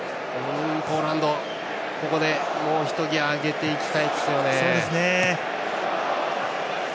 ポーランド、ここでもうひとギヤ上げていきたいですね。